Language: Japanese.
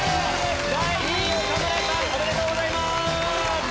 おめでとうございます！